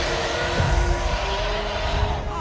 あ。